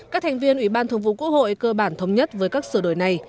các thành viên ủy ban thường vụ quốc hội cơ bản thống nhất với các sửa đổi này